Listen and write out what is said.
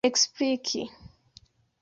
ekspliki